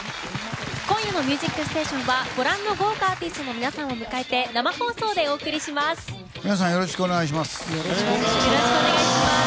今夜の「ミュージックステーション」はご覧の豪華アーティストの皆さんを迎えて皆さんよろしくお願いします。